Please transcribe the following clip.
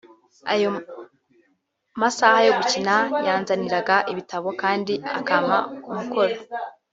Ayo masaha yo gukina yanzaniraga ibitabo kandi akampa umukoro